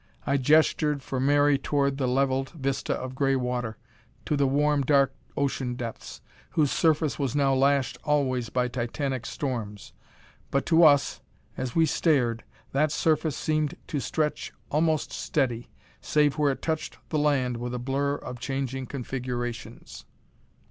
I gestured for Mary toward that leveled vista of gray water, to the warm, dark ocean depths, whose surface was now lashed always by titanic storms. But to us, as we stared, that surface seemed to stretch almost steady, save where it touched the land with a blur of changing configurations.